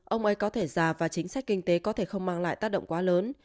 ông ấy có thể già và chính sách kinh tế có thể không mang lại tác động quá lớn